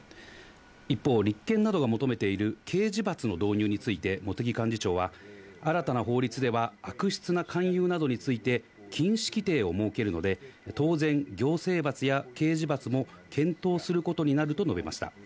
一方、立憲などが求めている刑事罰の導入について茂木幹事長は、新たな法律では悪質な勧誘などについて、禁止規定を設けるので、当然、行政罰や刑事罰も検討することになると述べました。